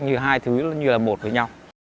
như hai thứ như là một với nhau